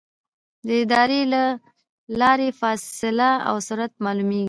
د رادار له لارې فاصله او سرعت معلومېږي.